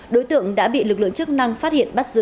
đối tượng đã bị lực lượng chức năng phát hiện bắt giữ